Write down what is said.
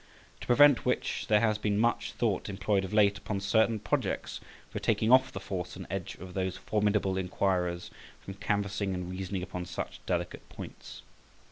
To prevent which, there has been much thought employed of late upon certain projects for taking off the force and edge of those formidable inquirers from canvassing and reasoning upon such delicate points.